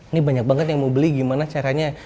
ini banyak banget yang mau beli gimana caranya